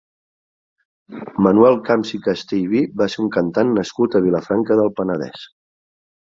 Manuel Camps i Castellví va ser un cantant nascut a Vilafranca del Penedès.